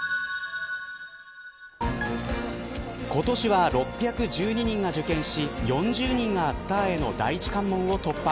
今年は、６１２人が受験し４０人がスターへの第一関門を突破。